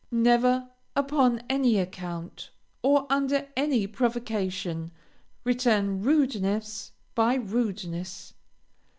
Never, upon any account, or under any provocation, return rudeness by rudeness.